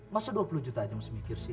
masa dua puluh juta aja mesti mikir sih